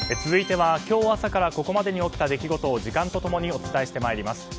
続いては今日朝からここまでに起きた出来事を時間と共にお伝えしてまいります。